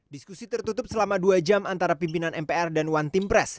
diskusi tertutup selama dua jam antara pimpinan mpr dan one team press